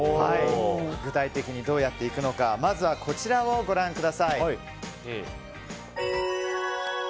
具体的にどうやっていくのかまずはこちらをご覧ください。